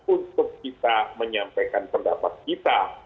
untuk kita menyampaikan pendapat kita